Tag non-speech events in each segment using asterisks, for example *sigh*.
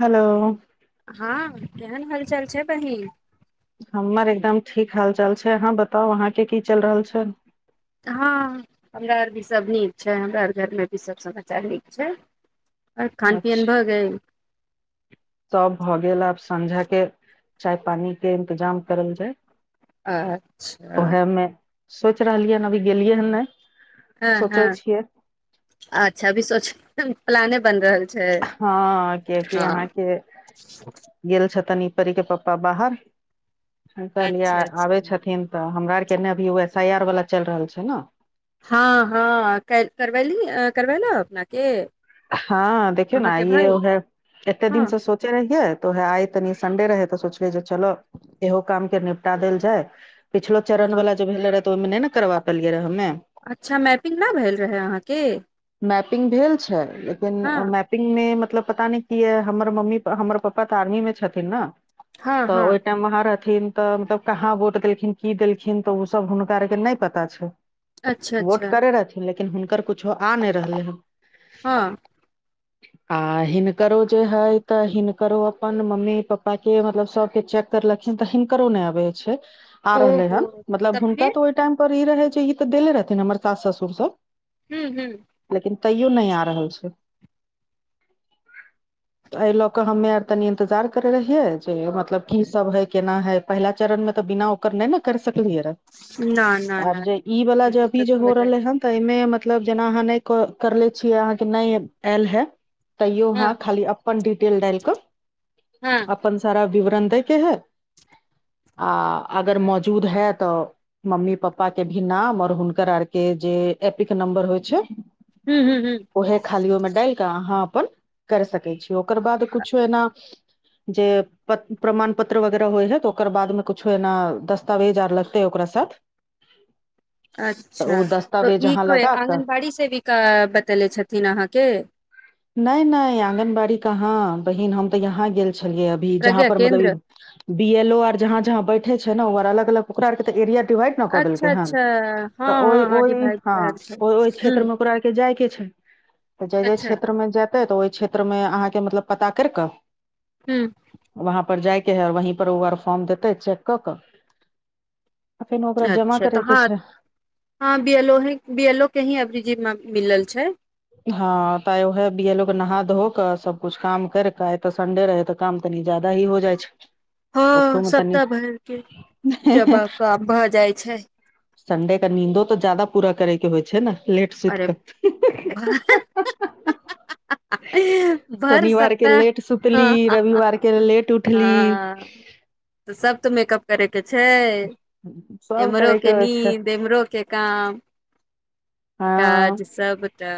Hello. ह केहन हालचाल छै। बहिन हमर एकदम ठीक हालचाल छै। अहाँ बताउ अहाँकेँ कि चलि रहल छै। ह हमरा आर भी सभ नीक छै। हमरा आर घरमे भी सभ समाचार नीक छै। आर खान पियन भऽ गेल तब भऽ गेल। आब सँझा के चाय पानी के इंतजाम करल जाय। अच्छा उहा मे सोच रहलियै हन अभी गेलियै हन ने ह ह अच्छा अभी सोच प्लाने बन रहल। छै ह कियाकि हँ अहाँकेँ। गेल छथिन इ परी के पप्पा बाहर कहलियए अच्छा आबे अच्छा छथिन। तऽ हमरा आरके नबयुग अभी ओ एस आई आर वाला चलि रहल छै न। ह ह करवली करबैल अपना के। ह देखियौ ने आई ओह एते हँ दिनसँ। तोराह आइ तनी सडे रहै तो सोचले जे चलो। इहो काम के निपटा देल जाय पिछलो चरण हँ वाला जे भेले रहे तऽ ओहिमे नहि ने करबा पेलिय रहे हमे। अच्छा मैपिंग नहि भेल रहै अहाँकेँ। मैपिंग भेल छै लेकिन अ हँ मैपिंग मे पता नै अऽ मतलब पता नहि किया यै हमर मम्मी हमर पापा तऽ आर्मी मे छथिन ने। हँ त हँ ओहि टाइम वहाँ रहथिन। तऽ मतलब कहाँ वोट देलखिन कि देलखिन तऽ ओ सभ हुनकाआर के नहि पता छैन। अच्छा वोट अच्छा करै रहथिन लेकिन हिनकर किछो आ नहि रहलै ह ह *inaudible* आ हिनकरो जे हय तऽ हिनकरो अपन मम्मी प्पा के मतलब सभके चेक। कार लखिन तऽ हिनको नहि आबै छै आ रहले हन ओहो मतलब तब हुनका फिर तऽ। टाइम पर ई रहै जे ई तऽ देले रहथिन हमर सास -ससुर सभ हु हु लेकिन तैयो नै आ रहल छै। *inaudible* अहि लऽ कऽ हमे आर तनी इन्तजार करै रहियै जे मतलब किसभ हइ केना हइ। पहिला चरण मे तऽ बिना ओकर नय ने कर सकलिय हियरऽ। न न आब न जे ई वला जे अभी दिक्कत जे भऽ हो जाइ रहलै हन् तऽ एहिमे मतलब जेना अहाँ नय करले छियै अहाँके नय आयल हऽ तैयो हँ अहाँ खाली अपन डिटेल डाल कऽ हँ अपन सारा विवरण दैके है। आ अगर मौजूद है त मम्मी पपा के भी नाम आऔर हुनकर आरके जे एपिक नम्बर होइ छै हुँ, हुँ, हुँ। अहे खाली ओहिमे डाल कऽ अहाँ अपन कर सकै छियैय ओकर बाद कुछो एना। जे प्रमाण पत्र वगैरह होय है तऽ ओकर बाद मे कुछो एना दस्तावेज आर लगतेै ओकरा सऽ *inaudible* अच्छा ओ तऽ दस्तावेज ई अहाँ कोइ लगा कऽ आङगन बाड़ी से भी बतेेले छथिन अहाँके। नैइ नैइ आंगनबाड़ी कहाँ बहिन हम ते यहााँ गेल छलियै अब भी जहा प्रज्ञा पर मतलब केन्द्र ई बीएलओ आर जहा पर बैठैय छै ने ओआर अलग अलग ओकरा आर के त एरिया डिवाइड कऽ देलकै अच्छा हन अच्छा हँ तऽ ओइ- हँ हँ ओइ डिवाइड हाँ, करल छै ओइ-ओइ हूँ ओकरा आओर के जाइ के छैय, त जइ-जइ अच्छा क्षेत्रमे जाइ तऽ ओहि क्षेत्र मे अहाँके मतलब पता कैर कऽ हुँ। वहाँं पर जायके है वहीं पर ओ आर फॉर्म देतेै चेक कऽ कऽ फेन ओकरा जमा अच्छा तऽ करे के हँ छै। हँ बएलो ही बियलोक के ही अभ्रजीमे मिलल छै। हँ तऽ आ उहे बीयलोक कऽ नहाधोअ कऽ सबकुछ काम कर क आइ तऽ सडे रहे काम तनी जादा ही हो जाय छै। उठो हँ मे तनी सप्ताह भर के जबकाम भ जाइ छै सन्डे के नींदो तऽ जादा पूरा करयके होइ छै ने लेट सुति क। *unintelligible* ह भैर शनिवार के सप्ताह लेट ह सुतली ह रविवार के ह लेट उठली हाँ। तऽ सब तऽ मेकअप करे के छै सब एम्हरो करे के होइ छै नीद एमहरो के काम हँ काज सबटा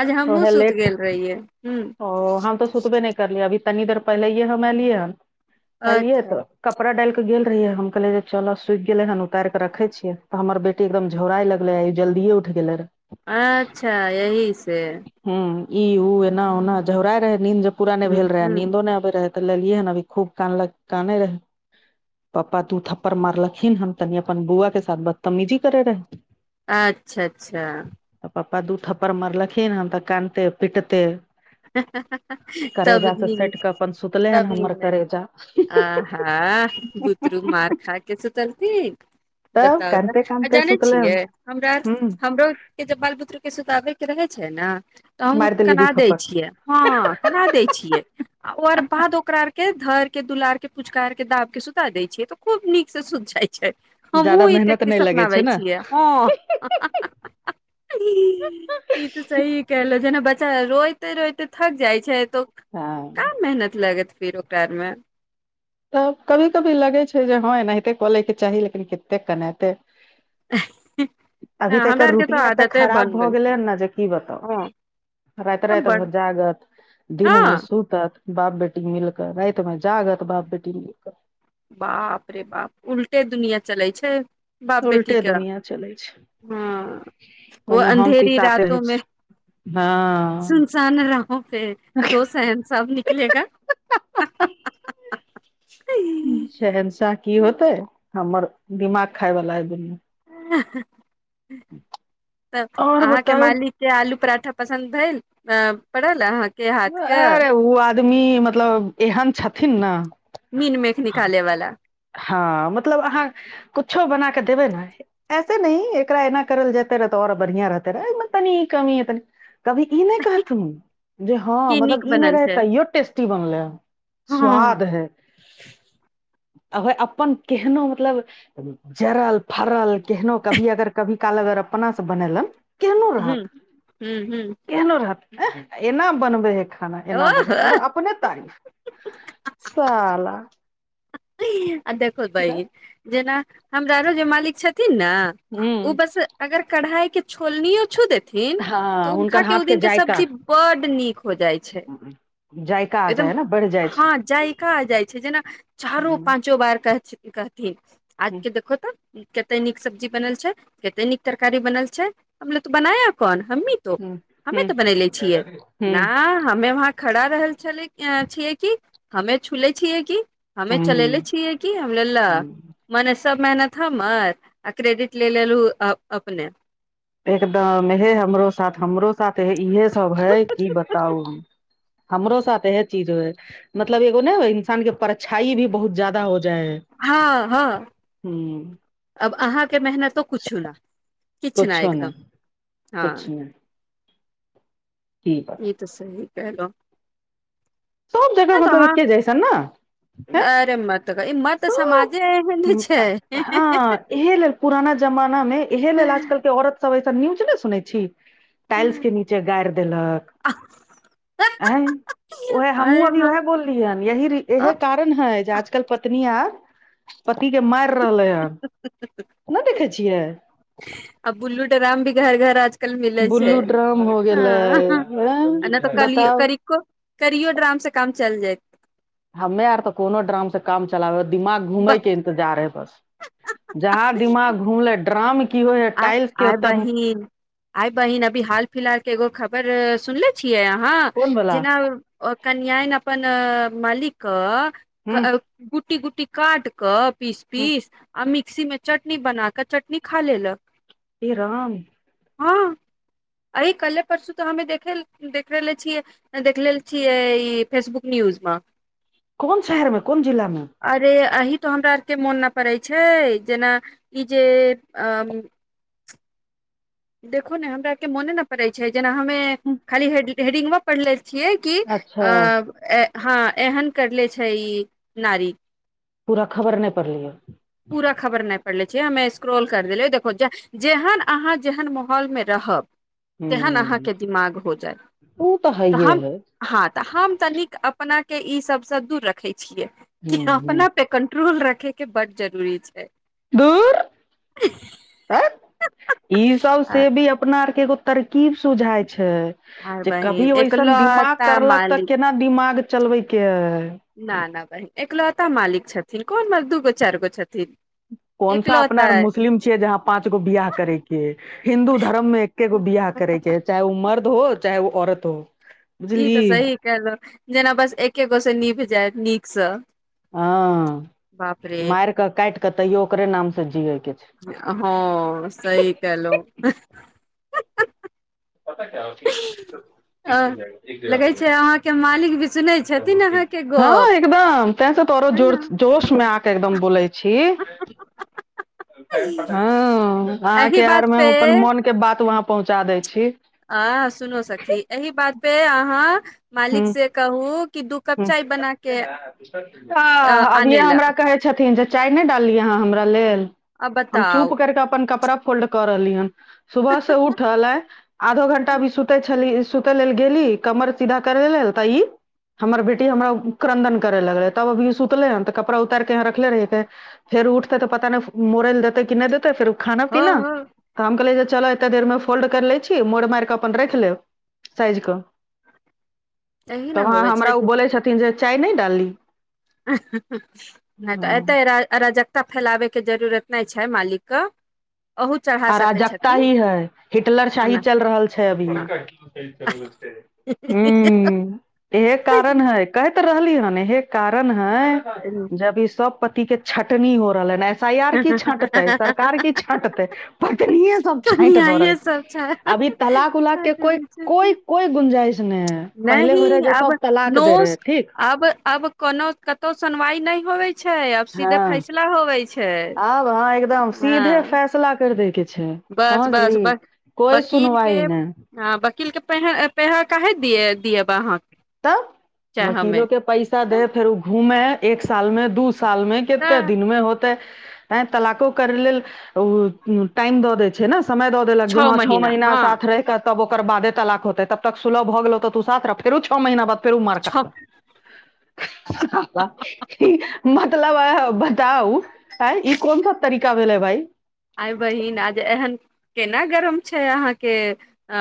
आज हमहुँ ओहे सुत लेट गेल रहियै हम्म ओ हम तऽ सुतबे नय करलियै अभी तनी देर पहिलैये हम एलियै एलियै अच्छा तऽ कपड़ा डाइल के गेल रहियै हम कहले जे चल सुखि गेले हन उतार के रखे छियै त हमर बे टी एकदम झोराइ लगलेै जलदिए उठ गेले रे अच्छा यही से। हम्म ई उ एना ओना झौराइ रहै नींद जे पूरा नय हूँ भेल रहे हूँ नीन्दो नय आबे रहे तऽ लेलियै हन अभी खूब कानलक काने रहै। पप्पा तू थप्पड़ मारलखिन हन तनि अपन बौआ के साथ बदतमीजी करै रहै अच्छा अच्छा तऽ पप्पा दू थप्पड़ मरलखिन हन तऽ कानिते पिटते तब करेजा से सटि नींद कऽ अपन सुतले हन तब हमर नीन्द करेजा आ हा बूतरू मार खा क सुतलखिन। तब बताउ तऽ कानते आ कानते जानै सुतले छियै हन हमरा हूं हमरो के जब बाल बुतरू के सुताबे के रहे छै ने त अहूँ मारि देली दू कना दे थप्पड़ हँ कना दै छियै। आ ओकर बाद ओकरा आर के धर के दुलार के पुचकार के दाब के सुता देै छियै तऽ खूब नीकसँ सुत जाइ छै जादा हमहुँ ई मेहनत नहि टैक्टिस लगै छै अपनाबै ने छियै हँ हा हा ई तऽ सही कहलो जेना बच्चा रोइ रोइते -रोइते थक जाई छै तो हँ कहाँ मेहनत लगत फिर ओकरा आ मे। तऽ कभी कभी लगै छै जे हँ एनाहिते कऽ लेबे चाही लेकिन कतेक केनाते। अभी नहि तऽ हमरा एकर आर के तऽ रूटीन एतेक आदते खराब बन भऽ गेल छै गेलै हन ने जे कि बताउ? राति हँ राति भर बड जागत दिन हँ मे सूत त बाप बेटी मिलके राति मे जागत बाप बेटी मिलकेऽ बाप रे बाप उलटे दुनिया चले छै। उल्टे दुनिया चले छै। ह वह अन्धेरी रातोमे ह सुनसान राहो प दो शहंशाह अब निकलेगा हा हा शंहशाह कि होते हमर दिमाग खाय वाला अय दुनू आ ह और अहाँकेँ बताउ मालिक से आलू परांठा पसन्द भेल पड़ल अहाँकेँ अरे आदमी मतलब एहन छथिन ने मीन मेख निकाले वाला ह मतलब अहाँ कुछो बना कऽ देबै ने ऐसे नहि एकरा एना करल जेते रह तऽ ओर बढ़िया रहते रहय अहिमे तनी कमी कभी ई नहि कहथुन जे ह की मतलब नीक ई नहि बनल रहे छै तैयो टेस्टी बनलै। हँ स्वाद है आ भऽ अपन केहनो मतलब जड़ल फरलऽ केहनो कभी अगर कभी काल अगर अपनासँ बनेलन केहनो ह रहत ह ह केहनो रहतऽ एह एना बनबे है खाना एना बनै ओहो मत अपने तारीफ। साला। आ देखो बहिन जेना हमरा ओर जे मालिक छथिन ने ओ हूँ बास अगर कढ़ाई के छोलनीयो छू देत थिन तऽ हँ हुनका हुनकर के हाथ ओ दिन के जायका सब्जी बड़ नीक हो जाई छै। जायका आ जाइ एकदम हइ ने बढ़ि जाइ छै ह जायका आ जाई छै जेना चारो हूँ पाँच चो बार कह कहथिन आज हूँ के देखहो तऽ कते नीक सब्जी बनल छै कते नीक तरकारी बनल छै हम कहली तो बनाया कौन हमही। हूँ हमे हूँ तऽ बनैले छियै नै हमे वहा खड़ा रहल छल छियै कि हमे छूले छियै कि चलले हूँ छियए ककिहम ललऽ हूँ मने सभ मेहनत हमर आ क्रेडिट ले लेलु अपने एकदम हे हमरो साथ हमरो साथ हे इहे सभ है कि बताउ हमरो साथ एह चीज हो है मतलब एगो ने इन्सान के परछाइ भी बहुत ज्यादा होई जाए है ह ह हू अब अहाँकेँ मेहनतो किछु नै किछु नै कुछो नहि एकदम हँ कुछ ठीक ई तऽ सही कलहु। सभ जगह मतलब एके जइसन ने *unintelligible* सब एहन छै हँ इहे लेल पुराना जमाना मे इहे लेल आजकल के औरत सब ऐसा न्यूज ने सुनने छी टाइल्स के नीचे गारि देलक आ आ उह हमहूँ अभी उएह बोलली हैन यही आ इहे कारण है जे आजकल पती पत्नियां पति के मारि रहले हन नहि देखे छियै आ बुल्लू ड्राम भी घर घर आज मिलै छै बुल्लू ड्राम हो गेलै आ नै तऽ आंय कर बताउ करियो करियो ड्राम से काम चल जाइ हमे आर तऽ कोनो ड्राम सऽ काम चलाब दिमाग घूमैके जा रहेै बस जहां ब- दिमाग घूमले ड्रम की होइ है आ टाइल्स के आइ ओते बहिन आइ बहिन अभी हाल फिलहाल के एगो खबर सुनले छियै अहाँ कोन बला जेना ओ कन्यन अपन मालिकके हूं कुट्टी कुट्टी काट कऽ पीस हूं पीस आ मिक्सी मऽ चटनी बना कऽ चटनी खा लेलक हे राम हँ एह कले परसु तऽ हमे देख रहले छियै देखल छियै ई फेसबुक न्यूज मे कोन शहरमे कोन जिलामे अरे अही तो हमरा आरके मोन नहि पड़ैत छै जेना ई जे अ देखो ने हमरा के मोने नऽ पड़े छै जेना हमे खाली हेडिंगा पड़ले छियै कि अच्छा अ हँ एहन करले छै ई नारी पूरा खबर नहि पड़लियै पूरा खबर नहि पड़ले छैये हमें स्क्रोल कर देलै देख जेहन अहाँ जेहन माहौलमे रहब तेहन ह अहाँके दिमाग हो जायत ओ तऽ हइये हम है हँ तऽ हम तनिक अपनाके ई सभसँ दूर रखै छियै कि ह ह अपना पे कंट्रोल रखे के बड जरूरी छै घूर *unintelligible* ई सब आ से भी अपना आर के एगो तरकीब सुझाय छै आर जे कभी बहिन ओइसन दिमाग एकलौता करलक तऽ मालिक केना दिमाग चलबैके है ना ना बहिन एकलौता मालिक छथिन कोन मऽ दू गो चारि गो छथिन कोन सा अपना एकलौता और है। मुस्लिम छियै जहाँ पाँच गो बियाह करे छियै हिन्दू धर्म मे एकेगो बिआाह करैकेै चाहे ओ मर्द हो चाहे ओ औरत हो ई बुझली तऽ सही कहलहु जेना बस एके गो से निभ जाय नीकसँ हँ बाप रे मार केऽ काट कऽ तैयो ओकरे नाम से जियए के छै हँ सही कलहु पता अ लगै छै अहाँके मालिक भी सुनै छथिन *unintelligible* अहाँके हँ गप एकदम तेंस तोरो है जोर न जोश में के एकदम बोले छै *unintelligible* के एहि बात पे बात वहाँ पहुँचा दै छी आ सुनू सखी एहि बात पे अहाँ मालिक हूँ से कहू कि दू कप हूँ चाय बना के आ अभिये आनई हमरा लए कहै छथिन जे चाय नहि डाललियै हँ हमरा लेल आ हम बताउ चुप करिकऽ अपन कपड़ा फोल्ड कऽ रहलियै हन सुबह से उठल अइ आधो घंटा अभी सुते छली सुते लेल गेली कमर सीधा करै ल ता ई हमर बेटी हमरा क्रन्दन करे लगले तब अभी सुतले ह तऽ कपड़ा उतैरक के यहाँ रखले रहि हे फेर उठतै तऽ पता नै मुड़ै लए देतै कि नै देतै फेर खाना हँ पीना हँ तऽ हम कहलियए जे चलऽ एतेक देरमे फोल्ड करि लै छी मोड़ मैरकऽ अपन राखि लेब साइजके एही तऽ न वहाँ होवे छै हमरा ओ बोलै छथिन जे चाय नैडालली नै तऽ एतऽ अराजकता फैलाबैके जरूरत नै छै मालिक के अहू चढ़ा सकै अराजकता छथिन ही है हिटलर साही ओना चल रहल छै अभी हँ हुॅं इहे कारण हय कैह त रहलीहेन इहे कारण है जे अभी ई सब पति के छटनी हो रहलै ह ऐस एफ आई आर की छाँटतै सरकार की छटतै सब छैट दौड़ल कनियाये सब छै अभी तलााक उलाक के कोइ कोइ कोइ गुंजाइश ने हे नहि अब नोस ठीक अब अब कोनो कतहु सुनवाई नै होबे छै आब सीधे हँ फैसला होबै छै आब हँ एकदम हँ सीधे फैसला करि दैके छै बस बस समझली बस कोइ बकील के सुनवाइ नहि ह वकील केे पे हे पे हे काहे दियब अहाँके तब वकीलो के पैसा दे फेर ओ घूमे एक साल मे दू साल मे तऽ कते दिनमे होत तै आय तलाकों करै लेल टैम द दै छै न समय द देलक जे हँ छओ महीना साथ रहिके तब ओकर बादे तलाक होते तब तक सुलभ भऽ गेलौ तऽ तू साथ रह फेरु छ महीना बाद फेर ओ मार छओ कटत *inaudible* हा *unintelligible* मतलब बताउ अ ई कोन सब तरीका भेलै भाई आइ बहिन आज एहन केना गरम छै अहाँके अ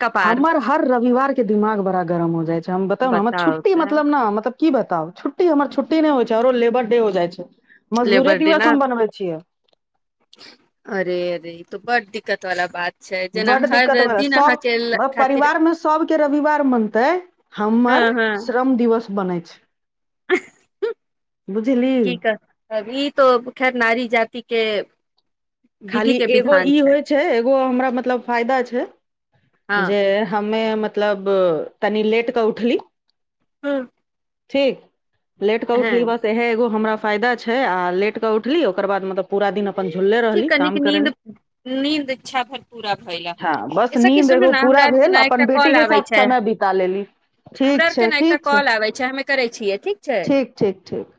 कपार हमर हर रविवार के दिमाग बड़ा गरम हो जाइ छै हम बताउ ने हमर छुट्टी मतलब ने मतलब की बताउ छुट्टी हमर छुटी नै होइ छै आरो लेबर डे हो जाय छै मजदूरे लेबर डे दिवस न हम बनवे छिये अरे अरे ई तो बड़ दिक्कत वाला बात छै जेना बड दिक्कत हर भेल दिन अहाँ सब ल खातिर परिवार मे सबके रविवार मनतै हँ हमर हँ श्रम दिवस बनै छै *unintelligible* बुझली की कह ई तो खैर नारी जाति के विधि खाली के एगो विधान ई होइ छै एगो हमरा मतलब फायदा छै हँ जे हमे मतलब तनि लेट कऽ उठली हुॅं ठीक लेट कऽ उठली बस इहे एगो हमरा फायदा छै आ लेट के उठली ओकर बाद मतलब पुरा दिन अपन झुलले रहली कनिक काम करे नींद मे नींद इच्छा भर पूरा भए हँ अहाँके ऐ बस सखी नींद सुन एगो हमरा पूरा आर के भेल ने एकटा अपन बेटी कॉल के आबै साथ छै समय बिता लेली हमरा ठीक आओर के छै ने एकटा ठीक कॉल आबे छै हमे करे छियै ठीक छै ठीक ठीक ठीक